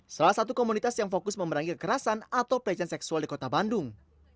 salah satu komunitas yang fokus memerangi kekerasan atau pelecehan seksual di kota bandung